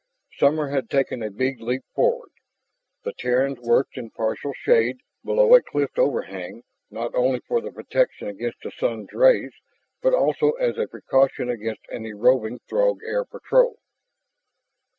Summer had taken a big leap forward. The Terrans worked in partial shade below a cliff overhang, not only for the protection against the sun's rays, but also as a precaution against any roving Throg air patrol.